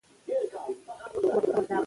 ـ خره ته يې زور نه رسي کتې ته ډبلي اوباسي.